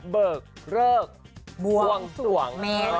เบิกเลิกบวงสวง